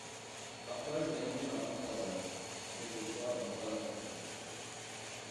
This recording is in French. Parfois je vais dormir à vingt-trois heures, d’autres fois à vingt-trois heures trente.